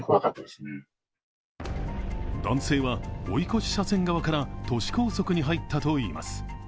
男性は、追い越し車線側から都市高速に入ったといいます。